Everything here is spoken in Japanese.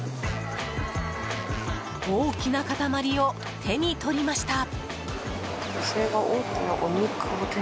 大きな塊を手にとりました。